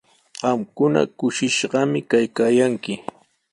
Qamkuna kushishqami kaykaayanki.